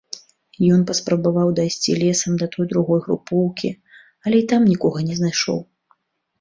Ён паспрабаваў дайсці лесам да той другой групоўкі, але і там нікога не знайшоў.